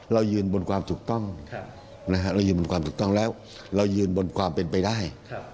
เรายืนบนความถูกต้องแล้วเรายืนบนความเป็นไปได้